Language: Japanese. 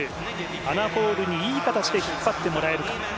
アナ・ホールにいい形で引っ張ってもらえるか。